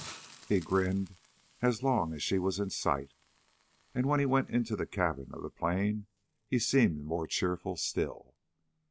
He grinned as long as she was in sight, and when he went into the cabin of the plane he seemed more cheerful still.